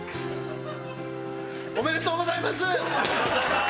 おめでとうございます！